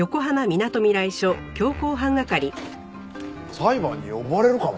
裁判に呼ばれるかも？